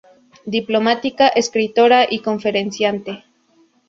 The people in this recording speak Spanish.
Diplomática, escritora y conferenciante.